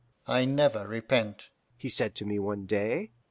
'I never repent,' he said to me one day.